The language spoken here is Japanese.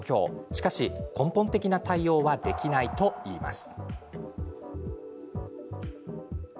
しかし、根本的な対応はできないといいます。